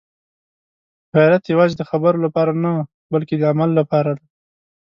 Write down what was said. غیرت یوازې د خبرو لپاره نه، بلکې د عمل لپاره دی.